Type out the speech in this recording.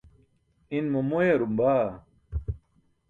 Inmo moyarum baa.